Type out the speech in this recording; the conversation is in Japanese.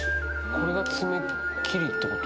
これが爪切りってこと？